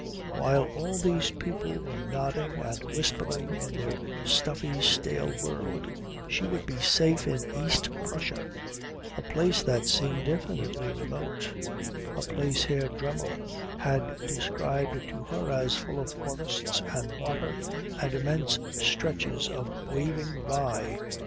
While all these people were nodding and whispering in their stuffy stale world she would be safe in East Prussia, a place that seemed infinitely remote, a place Herr Dremmel had described to her as full of forests and water and immense stretches of waving rye.